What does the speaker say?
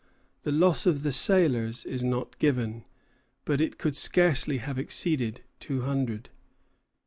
The loss of the sailors is not given; but it could scarcely have exceeded two hundred.